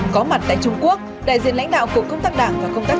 có mặt tại trung quốc đại diện lãnh đạo của công tác đảng và công tác đảng